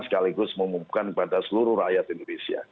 sekaligus mengumumkan kepada seluruh rakyat indonesia